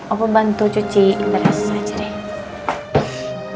opo bantu cuci ntar aku selesai aja deh